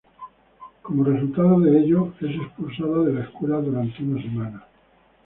Como resultado de ello, es expulsada de la escuela durante una semana.